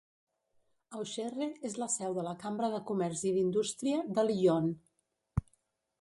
Auxerre és la seu de la Cambra de comerç i d'indústria de l'Yonne.